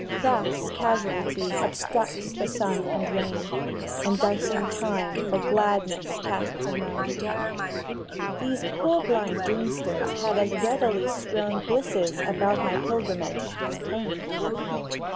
—Crass Casualty obstructs the sun and rain, And dicing Time for gladness casts a moan ... These purblind Doomsters had as readily strown Blisses about my pilgrimage as pain.